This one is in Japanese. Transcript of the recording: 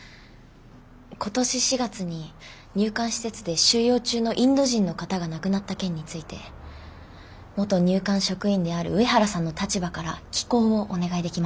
今年４月に入管施設で収容中のインド人の方が亡くなった件について元入管職員である上原さんの立場から寄稿をお願いできませんでしょうか？